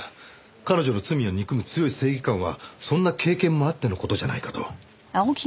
彼女の罪を憎む強い正義感はそんな経験もあっての事じゃないかと。